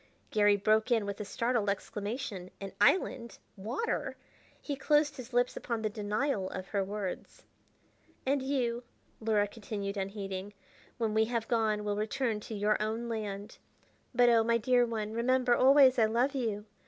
Garry broke in with a startled exclamation. An island! Water! He closed his lips upon the denial of her words. "And you," Luhra continued unheeding, "when we have gone, will return to your own land. "But, oh, my dear one, remember always I love you.